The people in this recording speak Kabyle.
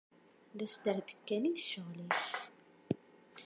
D asderbek kan i d ccɣel-ik.